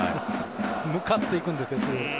向かっていくんですよ。